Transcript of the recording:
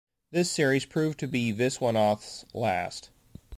This series proved to be Viswanath's last.